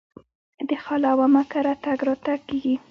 د خاله او عمه کره تګ راتګ کیږي.